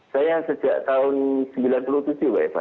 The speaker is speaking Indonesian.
saya sejak tahun sembilan puluh tujuh mbak eva